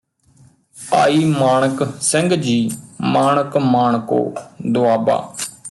ਭਾਈ ਮਾਣਕ ਸਿੰਘ ਜੀ ਮਾਣਕ ਮਾਣਕੋ ਦੁਆਬਾ